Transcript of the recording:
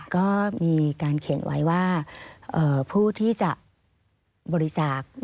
ก็มีการเขียนไว้ว่าผู้ที่จะบริจาค